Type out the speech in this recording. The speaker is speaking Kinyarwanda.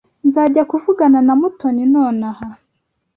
Nzajya kuvugana na Mutoni nonaha.